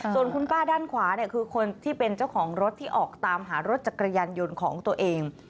ส่วนคุณป้าด้านขวาเนี่ยคือคนที่เป็นเจ้าของรถที่ออกตามหารถจักรยานยนต์ของตัวเอง